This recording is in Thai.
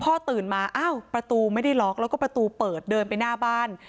ตื่นมาอ้าวประตูไม่ได้ล็อกแล้วก็ประตูเปิดเดินไปหน้าบ้าน